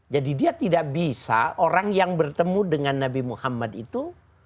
jadi dia tidak bisa orang yang bertemu dengan nabi muhammad itu